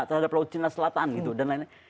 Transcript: terhadap laut cina selatan gitu dan lain lain